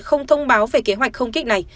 không thông báo về kế hoạch không kích này